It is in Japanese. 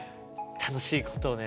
楽しいことをね